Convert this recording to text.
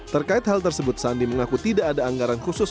terkait hal tersebut sandi mengaku tidak ada anggaran khusus